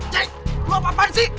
cek lo apa apaan sih